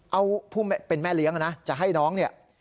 เอาผู้เป็นแม่เลี้ยงนะจะให้น้องเนี่ย